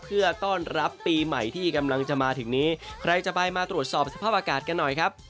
เพื่อต้อนรับปีใหม่ที่กำลังจะมาถึงนี้ใครจะไปมาตรวจสอบสภาพอากาศกันหน่อยครับ